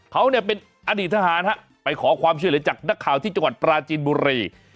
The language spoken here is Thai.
เขาเนี่ยเป็นอดีตทหารไปขอความช่วยเหลือจากนักข่าวที่จังหวัดปราจีนบุรี